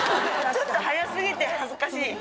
ちょっと早すぎて恥ずかしい。